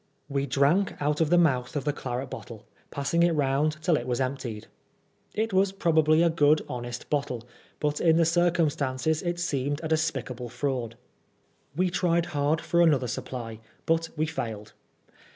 We drank out of the mouth of the claret bottle, passing it round till it was emptied. It was probably a good honest bottle, but in the circumstances it seemed a despicable fraud. We tried hard for another supply, but we failed.